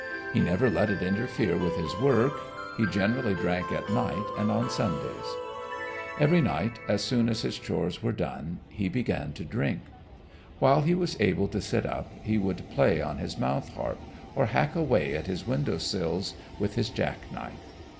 He never let it interfere with his work, he generally drank at night and on Sundays. Every night, as soon as his chores were done, he began to drink. While he was able to sit up he would play on his mouth harp or hack away at his window sills with his jack knife.